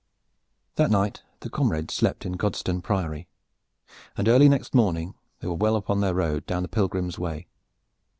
That night the comrades slept in Godstone Priory, and early next morning they were well upon their road down the Pilgrim's Way.